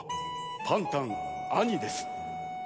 パンタンあにです。